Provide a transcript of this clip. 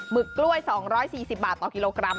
ึกกล้วย๒๔๐บาทต่อกิโลกรัม